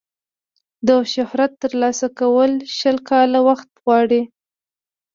د شهرت ترلاسه کول شل کاله وخت غواړي.